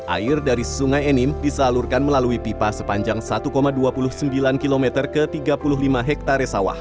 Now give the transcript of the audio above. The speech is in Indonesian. air dari sungai enim disalurkan melalui pipa sepanjang satu dua puluh sembilan km ke tiga puluh lima hektare sawah